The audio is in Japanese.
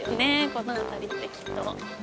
この辺りってきっと。